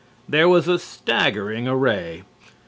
There was a staggering array.